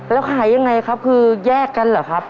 แล้วขายยังไงครับคือแยกกันเหรอครับ